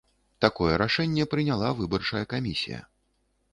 Такое рашэнне прыняла выбарчая камісія.